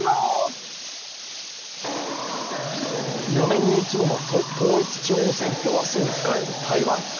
４年に一度の統一地方選挙を明日に控える台湾。